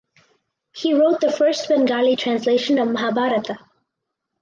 He wrote the first Bengali translation of Mahabharata.